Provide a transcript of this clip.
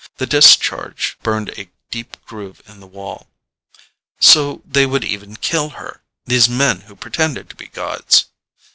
The discharge burned a deep groove in the wall. So they would even kill her these men who pretended to be gods!